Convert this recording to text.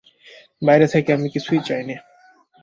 বাইরে থেকে আমি কিছুই চাই নে।